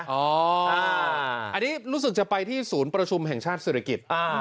อันนี้รู้สึกจะไปที่ศูนย์ประชุมแห่งชาติศิริกิจ